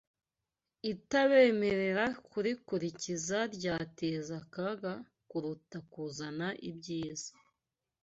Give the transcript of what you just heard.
itabemerera kurikurikiza ryateza akaga kuruta kuzana ibyiza